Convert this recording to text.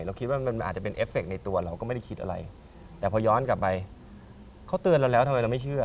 เราคิดว่ามันอาจจะเป็นเอฟเคในตัวเราก็ไม่ได้คิดอะไรแต่พอย้อนกลับไปเขาเตือนเราแล้วทำไมเราไม่เชื่อ